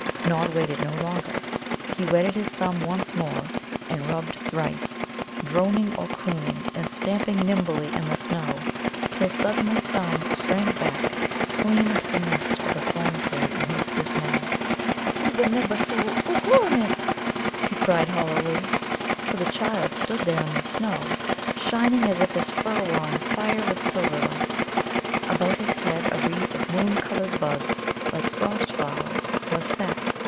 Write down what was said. Nod waited no longer. He wetted his thumb once more, and rubbed thrice, droning or crooning, and stamping nimbly in the snow, till suddenly Thumb sprang back clean into the midst of a thorn tree in his dismay. "Ubbe nimba sul ugglourint!" he cried hollowly. For the child stood there in the snow, shining as if his fur were on fire with silver light. About his head a wreath of moon coloured buds like frost flowers was set.